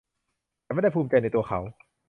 ฉันไม่ได้ภูมิใจในตัวเขา